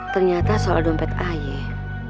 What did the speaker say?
ternyata soal dompet ayah